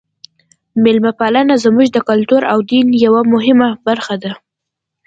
میلمه پالنه زموږ د کلتور او دین یوه مهمه برخه ده.